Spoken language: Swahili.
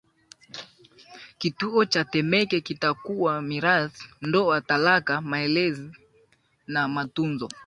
Kituo cha Temeke kitakuwa mirathi ndoa talaka malezi na matunzo